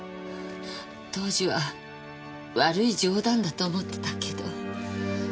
当時は悪い冗談だと思ってたけど。